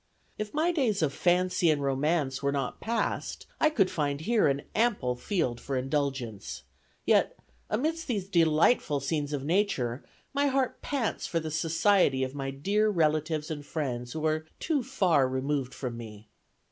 ... If my days of fancy and romance were not past, I could find here an ample field for indulgence; yet, amidst these delightful scenes of nature, my heart pants for the society of my dear relatives and friends who are too far removed from me.